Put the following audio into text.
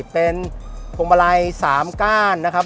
เป็นพวงมาลัย๓ก้านนะครับ